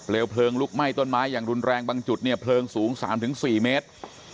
เพลิงลุกไหม้ต้นไม้อย่างรุนแรงบางจุดเนี่ยเพลิงสูง๓๔เมตร